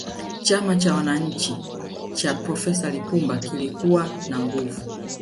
chama cha wananchi cha profesa lipumba kilikuwa na nguvu